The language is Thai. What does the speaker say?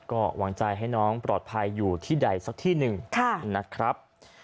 ก็หวังใจให้น้องปลอดภัยอยู่ที่ใดสักที่หนึ่งนะครับ